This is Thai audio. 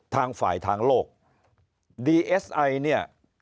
ทางฝ่ายทางโลกดีเอสไอเนี่ย